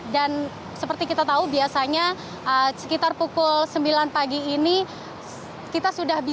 dan seperti kita tahu biasanya sekitar pukul sembilan pagi ini kita sudah bisa merasakan dan melihat kemacetan yang ada di sepanjang jalur arteri gatot subroto ini